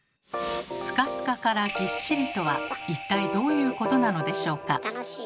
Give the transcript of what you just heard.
「スカスカ」から「ぎっしり」とは一体どういうことなのでしょうか？